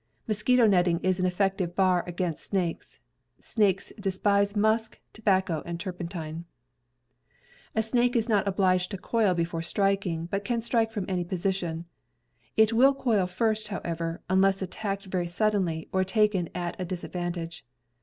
Mosquito netting is an effective bar against snakes. Snakes despise musk, tobacco, and turpentine. A snake is not obliged to coil before striking, but can strike from any position; it will coil first, however, unless attacked very suddenly or taken at a disadvan tage.